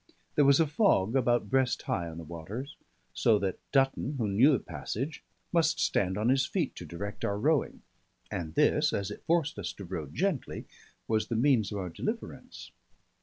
There was a fog about breast high on the waters; so that Dutton, who knew the passage, must stand on his feet to direct our rowing; and this, as it forced us to row gently, was the means of our deliverance.